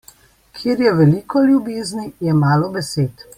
Kjer je veliko ljubezni, je malo besed.